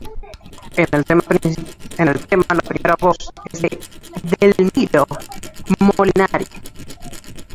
En el tema la primera voz es de Edelmiro Molinari.